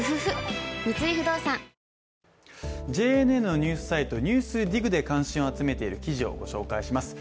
ＪＮＮのニュースサイト、「ＮＥＷＳＤＩＧ」で関心を集めている記事をご紹介します。